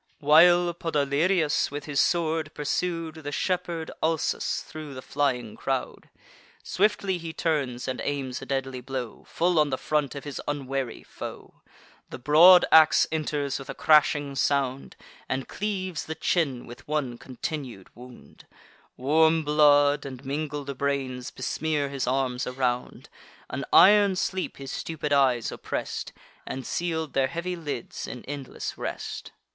While Podalirius, with his sword, pursued The shepherd Alsus thro' the flying crowd, Swiftly he turns, and aims a deadly blow Full on the front of his unwary foe. The broad ax enters with a crashing sound, And cleaves the chin with one continued wound; Warm blood, and mingled brains, besmear his arms around An iron sleep his stupid eyes oppress'd, And seal'd their heavy lids in endless rest.